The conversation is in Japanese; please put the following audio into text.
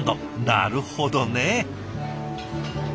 なるほどね！